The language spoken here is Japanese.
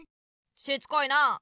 しつこいなあ。